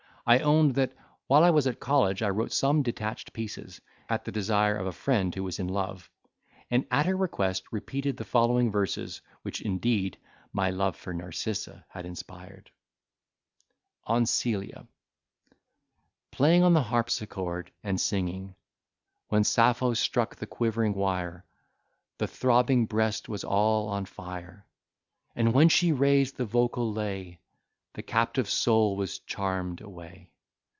I owned that while I was at college I wrote some detached pieces, at the desire of a friend who was in love; and at her request repeated the following verses, which indeed my love for Narcissa had inspired:— On Celia, Playing on the harpsichord and singing. When Sappho struck the quivering wire, The throbbing breast was all on fire: And when she raised the vocal lay, The captive soul was charm'd away.